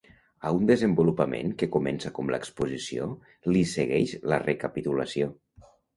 A un desenvolupament que comença com l'exposició li segueix la recapitulació.